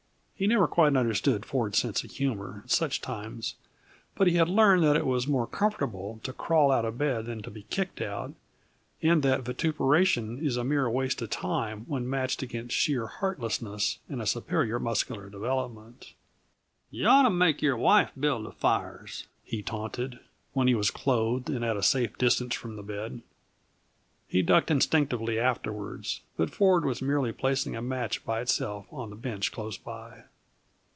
He never quite understood Ford's sense of humor, at such times, but he had learned that it is more comfortable to crawl out of bed than to be kicked out, and that vituperation is a mere waste of time when matched against sheer heartlessness and a superior muscular development. "Y' ought to make your wife build the fires," he taunted, when he was clothed and at a safe distance from the bed. He ducked instinctively afterwards, but Ford was merely placing a match by itself on the bench close by.